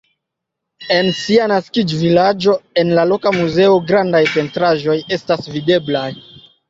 En sia naskiĝvilaĝo en la loka muzeo grandaj pentraĵoj estas videblaj.